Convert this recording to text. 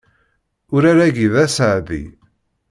Urar-agi d aseɛdi.